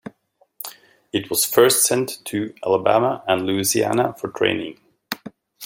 It was first sent to Alabama and Louisiana for training.